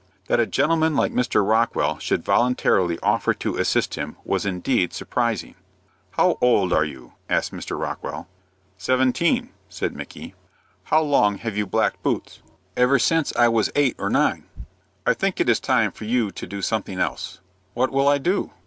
That a gentleman like Mr. Rockwell should voluntarily offer to assist him was indeed surprising. "How old are you?" asked Mr. Rockwell. "Seventeen," said Micky. "How long have you blacked boots?" "Ever since I was eight or nine." "I think it is time for you to do something else." "What will I do?"